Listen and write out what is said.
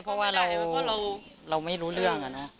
เพราะว่าเราไม่รู้เรื่องอะนะ